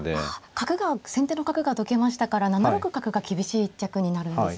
角が先手の角がどきましたから７六角が厳しい一着になるんですね。